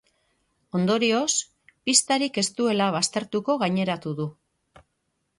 Ondorioz, pistarik ez duela baztertuko gaineratu du.